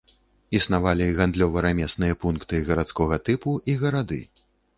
Існавалі гандлёва-рамесныя пункты гарадскога тыпу і гарады.